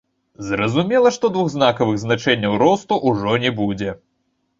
Зразумела, што двухзнакавых значэнняў росту ўжо не будзе.